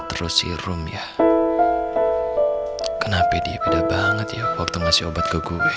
terus sirum ya kenapa dia pada banget ya waktu ngasih obat ke kube